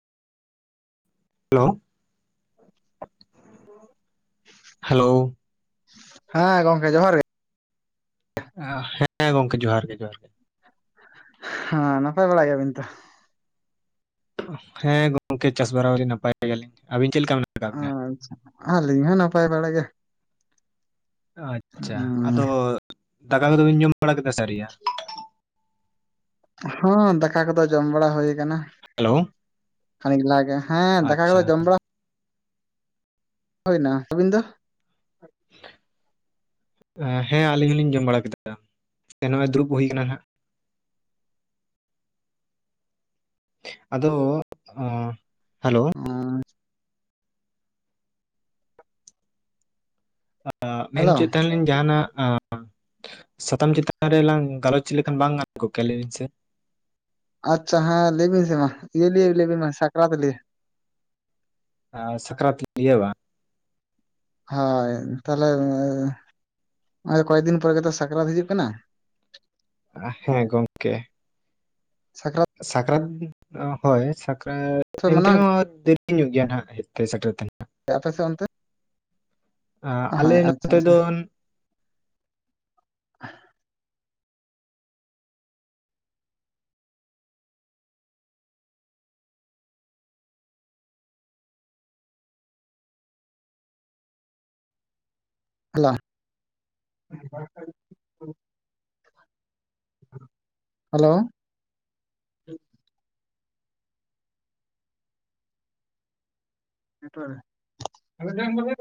Hello. [unintelligible] Hello ᱦᱮᱸ ᱜᱚᱝᱠᱮ ᱡᱚᱦᱟᱨ ᱜᱮ [unintelligible] ᱦᱮᱸ ᱜᱚᱝᱠᱮ ᱡᱚᱦᱟᱨ ᱜᱮ ᱡᱚᱦᱟᱨ ᱜᱮ ᱦᱮᱸ ᱱᱟᱯᱟᱭ ᱵᱟᱲᱟ ᱜᱮᱭᱟᱵᱤᱱ ᱛᱚ ᱦᱮᱸ ᱜᱚᱝᱠᱮ ᱪᱟᱥ ᱵᱟᱲᱟ [unintelligible] ᱱᱟᱯᱟᱭ ᱜᱮᱭᱟᱞᱤᱧ ᱟᱹᱵᱤᱱ ᱪᱮᱫ ᱞᱮᱠᱟ [unintelligible] ᱟᱪᱪᱷᱟ ᱟᱹᱞᱤᱧ ᱦᱚᱸ ᱱᱟᱯᱟᱭ ᱵᱟᱲᱟ ᱜᱮ [inaudible] ᱟᱪᱪᱷᱟ ᱟᱫᱚ ᱫᱟᱠᱟ ᱠᱚᱫᱚ ᱵᱤᱱ ᱡᱚᱢ ᱵᱟᱲᱟ ᱠᱮᱫᱟ ᱥᱮ ᱟᱹᱣᱨᱤ [unintelligible] ᱦᱚᱸ ᱫᱟᱠᱟ ᱠᱚᱫᱚ ᱡᱚᱢ ᱵᱟᱲᱟ ᱦᱩᱭ ᱠᱟᱱᱟ ᱦᱮᱞᱳ ᱠᱷᱟᱹᱱᱤᱠ ᱞᱟᱦᱟᱜᱮ ᱦᱮᱸ ᱫᱟᱠᱟ ᱟᱪᱪᱷᱟ ᱠᱚᱫᱚ ᱡᱚᱢ ᱵᱟᱲᱟ ᱦᱩᱭᱱᱟ ᱟᱹᱵᱤᱱ ᱫᱚ ᱾ [unintelligible] ᱦᱮᱸ ᱟᱹᱞᱤᱧ ᱦᱚᱸᱞᱤᱧ ᱡᱚᱢ ᱵᱟᱲᱟ ᱠᱮᱫᱟ ᱱᱚᱜᱼᱚᱸᱭ ᱫᱩᱲᱩᱵ ᱦᱩᱭ ᱠᱟᱱᱟ ᱦᱟᱸᱜ ᱾ ᱟᱫᱚ [unintelligible] ᱦᱮᱞᱳ [unintelligible] ᱢᱮᱱ ᱦᱮᱞᱳ ᱪᱩᱭᱮᱫ ᱛᱟᱦᱮᱸ ᱱᱟᱞᱤᱧ ᱡᱟᱦᱟᱱᱟᱜ [unintelligible] [unintelligible] ᱥᱟᱛᱟᱢ ᱪᱮᱛᱟᱱ ᱨᱮᱞᱟᱝ ᱜᱟᱞᱚᱪ ᱞᱮᱠᱷᱟᱱ ᱵᱟᱝ ᱜᱟᱱ ᱠᱚᱜᱠᱮᱭᱟ ᱞᱟᱹᱭᱵᱤᱱ ᱥᱮ ᱟᱪᱪᱷᱟ ᱦᱮᱸ ᱞᱟᱹᱭᱵᱤᱱ ᱥᱮ ᱢᱟ ᱤᱭᱟᱹ ᱞᱤᱭᱮ ᱞᱟᱹᱭᱵᱮᱱ ᱢᱟ ᱥᱟᱠᱨᱟᱛ ᱞᱤᱭᱮ [unintelligible] ᱥᱟᱠᱨᱟᱛ ᱞᱤᱭᱮ ᱵᱟᱝ ᱦᱳᱭ ᱛᱟᱦᱚᱞᱮ ᱜᱚᱭᱮᱠ ᱫᱤᱱ ᱯᱚᱨᱮ ᱜᱮᱛᱚ ᱥᱟᱠᱨᱟᱛ ᱦᱤᱡᱩᱜ ᱠᱟᱱᱟ ᱦᱮᱸ ᱜᱚᱝᱠᱮ ᱥᱟᱠᱨᱟᱛ ᱥᱟᱠᱨᱟᱛ ᱦᱳᱭ ᱥᱟᱠᱨᱟᱛ ᱯᱮ ᱢᱟᱱᱟᱣ ᱮᱱᱛᱮᱨᱮᱦᱚᱸ ᱫᱮᱨᱤ ᱧᱚᱜ ᱜᱮᱭᱟ ᱱᱟᱦᱟᱜ ᱦᱮᱡᱛᱮ ᱥᱮᱴᱮᱨ ᱛᱮ [unintelligible] ᱟᱯᱮᱥᱮᱜ ᱚᱱᱛᱮ [unintelligible] ᱟᱞᱮ ᱦᱳᱭ ᱟᱪᱪᱷᱟ ᱱᱚᱛᱮ ᱟᱪᱪᱷᱟ ᱫᱚᱱ [unintelligible] [unintelligible] ᱦᱮᱞᱳ [inaudible]